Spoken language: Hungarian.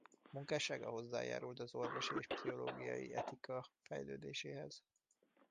Munkássága hozzájárult az orvosi és pszichológiai etika fejlődéséhez.